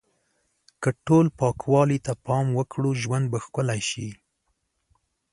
که ټول پاکوالی ته پام وکړو، ژوند به ښکلی شي.